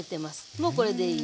もうこれでいい。